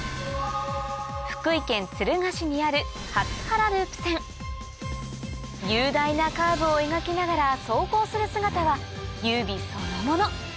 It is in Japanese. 福井県敦賀市にある雄大なカーブを描きながら走行する姿は優美そのもの